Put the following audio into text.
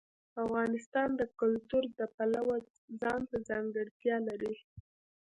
افغانستان د کلتور د پلوه ځانته ځانګړتیا لري.